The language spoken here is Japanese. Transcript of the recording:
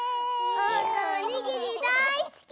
おうかおにぎりだいすき！